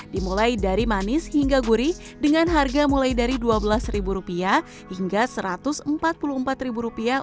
dimulai dari manis hingga gurih dengan harga mulai dari dua belas rupiah hingga satu ratus empat puluh empat rupiah